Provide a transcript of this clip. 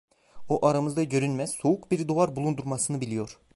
O, aramızda görünmez, soğuk bir duvar bulundurmasını biliyor.